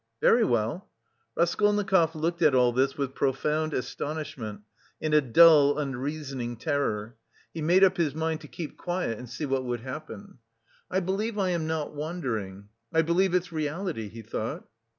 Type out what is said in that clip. "Very well." Raskolnikov looked at all this with profound astonishment and a dull, unreasoning terror. He made up his mind to keep quiet and see what would happen. "I believe I am not wandering. I believe it's reality," he thought.